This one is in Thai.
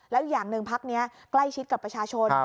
แล้วอย่างหนึ่งพักนี้ใกล้ชิดกับประชาชน